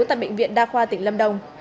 tại bệnh viện đa khoa tỉnh lâm đồng